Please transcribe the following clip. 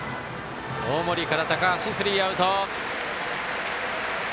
大森から高橋、スリーアウト。